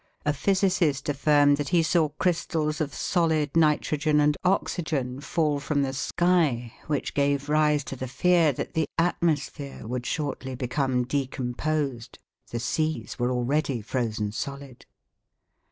A physicist affirmed that he saw crystals of solid nitrogen and oxygen fall from the sky which gave rise to the fear that the atmosphere would shortly become decomposed. The seas were already frozen solid.